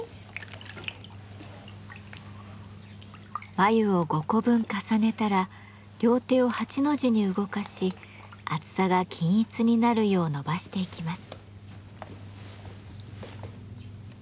繭を５個分重ねたら両手を八の字に動かし厚さが均一になるよう伸ばしていきます。